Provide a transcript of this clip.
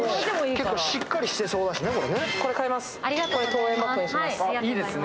結構しっかりしてそうだしね、これね。